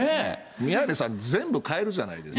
宮根さん、全部買えるじゃないですか。